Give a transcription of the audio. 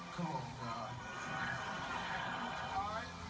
ข้อมูลเข้ามาดูครับ